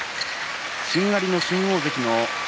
しんがりの新大関の霧